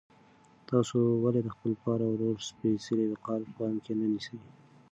تاسو ولې د خپل پلار او ورور سپېڅلی وقار په پام کې نه نیسئ؟